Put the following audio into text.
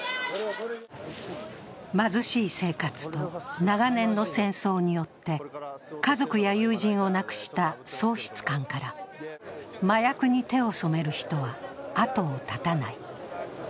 貧しい生活と長年の戦争によって家族や友人を亡くした喪失感から麻薬に手を染める人は後を絶たない。